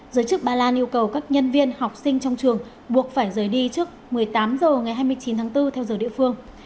giới chức ba lan yêu cầu các nhân viên học sinh trong trường buộc phải rời đi trước một mươi tám h ngày hai mươi chín tháng bốn theo giờ địa phương